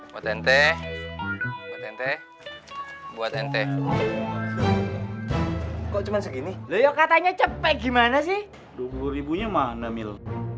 buat ente buat ente buat ente kok cuma segini leo katanya cepek gimana sih rp dua puluh mana mil